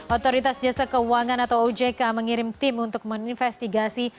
otoritas jasa keuangan atau ojk mengirim tim untuk menginvestigasi